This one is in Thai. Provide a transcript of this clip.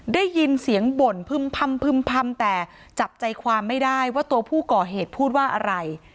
ได้ยินเสียงบ่นพึ่มพำพึ่มพำแต่จับใจความไม่ได้ว่าตัวผู้ก่อเหตุพูดว่าอะไร